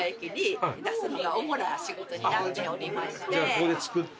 ここで作って？